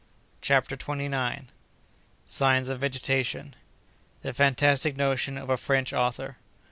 CHAPTER TWENTY NINTH. Signs of Vegetation.—The Fantastic Notion of a French Author.